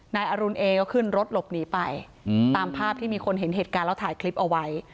นายอรุณเอก็ขึ้นรถหลบหนีไปตามภาพที่มีคนเห็นเหตุการณ์แล้วถ่ายคลิปเอาไว้